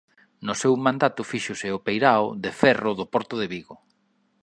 No seu mandato fíxose o peirao de ferro do Porto de Vigo.